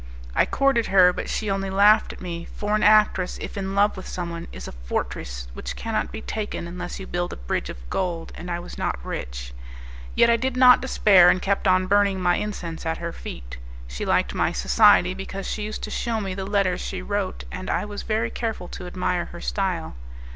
I courted her, but she only laughed at me, for an actress, if in love with someone, is a fortress which cannot be taken, unless you build a bridge of gold, and I was not rich. Yet I did not despair, and kept on burning my incense at her feet. She liked my society because she used to shew me the letters she wrote, and I was very careful to admire her style.